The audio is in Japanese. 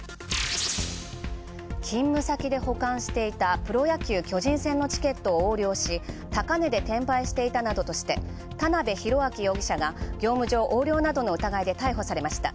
勤務先で保管していたプロ野球巨人戦のチケットを横領し高値で転売していたなどとして田邉宏明容疑者が業務上横領の疑いで逮捕されました。